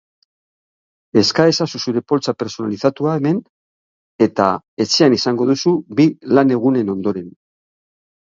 Eska ezazu zure poltsa pertsonalizatua hemen eta etxean izango duzu bi lanegunen ondoren.